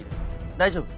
大丈夫？